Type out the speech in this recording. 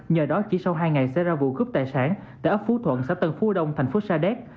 nhờ đó chỉ sau hai ngày xảy ra vụ cướp tài sản tại ấp phú thuận xã tân phú đông thành phố sa đéc